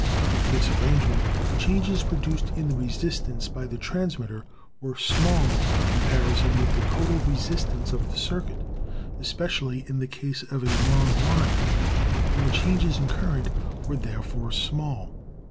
With this arrangement the changes produced in the resistance by the transmitter were small in com parison with the total resistance of the circuit, especially in the case of a long line, and the changes in current were therefore small.